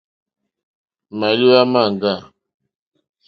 Màlìwá máŋɡâ.